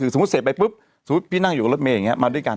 สมมุติเสพไปปุ๊บสมมุติพี่นั่งอยู่กับรถเมย์อย่างนี้มาด้วยกัน